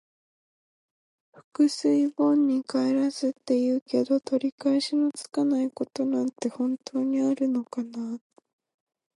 「覆水盆に返らず」って言うけど、取り返しのつかないことなんて本当にあるのかな。